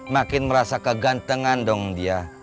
makin merasa kegantengan dong dia